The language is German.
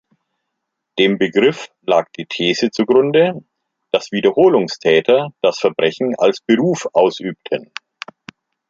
Dem Begriff lag die These zugrunde, dass Wiederholungstäter das Verbrechen als Beruf ausübten.